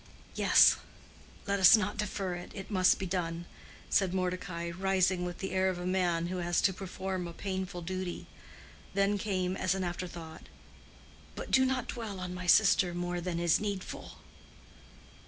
"Yes; let us not defer it. It must be done," said Mordecai, rising with the air of a man who has to perform a painful duty. Then came, as an afterthought, "But do not dwell on my sister more than is needful."